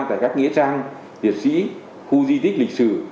tại các nghĩa trang liệt sĩ khu di tích lịch sử